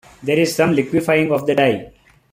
There is some liquefying of the dye.